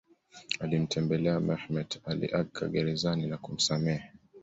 Alimtembelea Mehmet Ali Agca gerezani na kumsamehe